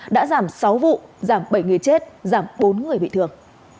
đã giảm sáu vụ giảm bảy người chết giảm bốn người bị thương